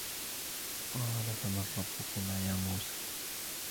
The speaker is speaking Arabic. قال فمن ربكما يا موسى